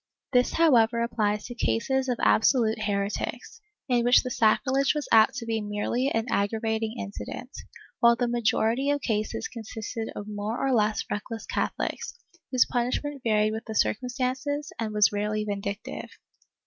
^ This however applies to cases of absolute heretics, in which the sacrilege was apt to be merely an aggravating incident, while the great majority of cases consisted of more or less reckless Catholics, whose punishment varied with the circumstances and was rarely vindictive.